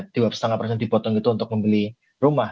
dua lima dipotong gitu untuk membeli rumah